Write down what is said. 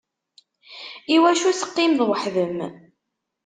Iwacu teqqimeḍ weḥd-m?